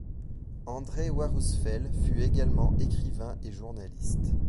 André Warusfel fut également écrivain et journaliste.